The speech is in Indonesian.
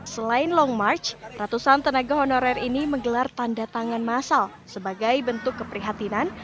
selain long march ratusan tenaga honorer ini menggelar tanda tangan masal sebagai bentuk keprihatinan